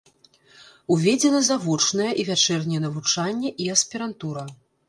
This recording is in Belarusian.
Уведзена завочнае і вячэрняе навучанне і аспірантура.